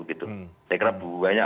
gitu saya kira banyak